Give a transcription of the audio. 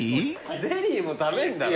ゼリーも食べんだろ？